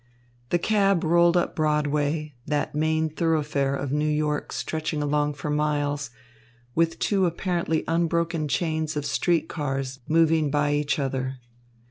The cab rolled up Broadway, that main thoroughfare of New York stretching along for miles, with two apparently unbroken chains of street cars moving by each other.